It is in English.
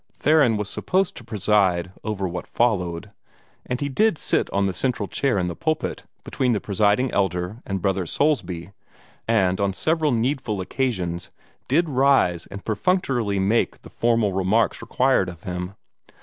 Theron was supposed to preside over what followed, and he did sit on the central chair in the pulpit, between the Presiding Elder and Brother Soulsby, and on the several needful occasions did rise and perfunctorily make the formal remarks required of him.